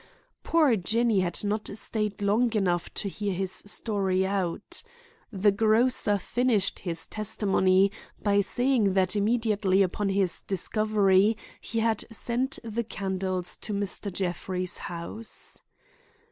Poor Jinny had not stayed long enough to hear his story out. The grocer finished his testimony by saying that immediately upon his discovery he had sent the candles to Mr. Jeffrey's house.